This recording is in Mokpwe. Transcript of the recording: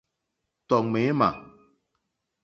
Tɔ̀ ŋměmà.